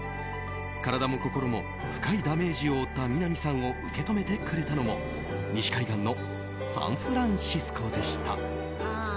体も心も深いダメージを負った南さんを受け止めてくれたのも西海岸のサンフランシスコでした。